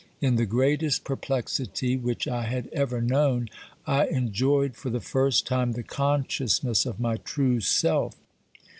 In the greatest perplexity which OBERMANN 5 I had ever known, I enjoyed for the first time the consciousness of my true self.